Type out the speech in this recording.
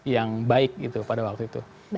yang baik gitu pada waktu itu